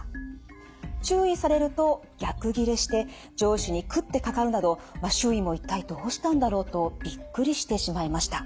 注意されると逆ギレして上司に食ってかかるなど周囲も一体どうしたんだろうとびっくりしてしまいました。